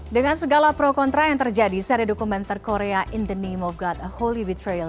dengan segala pro kontra yang terjadi seri dokumenter korea in the name of god a holy betrayal